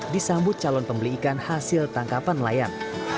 disambut calon pembeli ikan hasil tangkapan layan